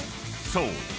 ［そう。